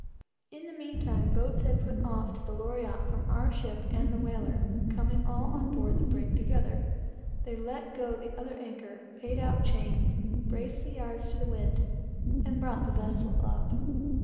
In the mean time, boats had put off from our ships and the whaler, and coming all on board the brig together, they let go the other anchor, paid out chain, braced the yards to the wind, and brought the vessel up.